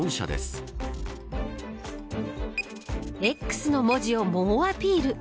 Ｘの文字を猛アピール。